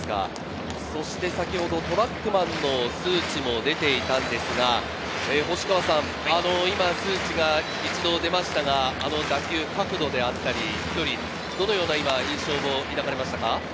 先ほどトラックマンの数値も出ていたんですが、星川さん、今数値が一度出ましたが、あの打球、角度であったり、飛距離、どのような印象を今、抱かれましたか？